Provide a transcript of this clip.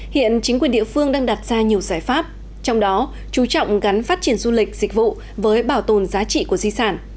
hiện chính quyền địa phương đang đặt ra nhiều giải pháp trong đó chú trọng gắn phát triển du lịch dịch vụ với bảo tồn giá trị của di sản